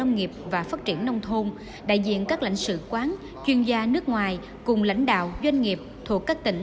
nhiệm kỳ hai nghìn một mươi bảy hai nghìn hai mươi hai đại hội đã công bố kết quả bầu ban chấp hành